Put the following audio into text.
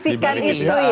siapa yang bisikan itu ya